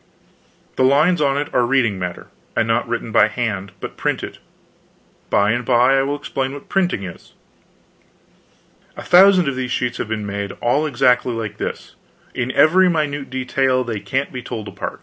The lines on it are reading matter; and not written by hand, but printed; by and by I will explain what printing is. A thousand of these sheets have been made, all exactly like this, in every minute detail they can't be told apart."